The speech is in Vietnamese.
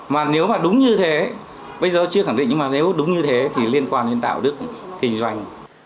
mà nếu mà đúng như thế bây giờ chưa khẳng định nhưng mà nếu đúng như thế thì liên quan đến đạo đức kinh doanh